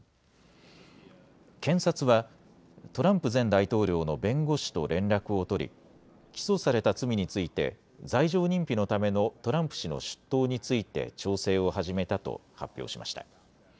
検察は、トランプ前大統領の弁護士と連絡を取り、起訴された罪について、罪状認否のためのトランプ氏の出頭について、調整を始めたと発表しました。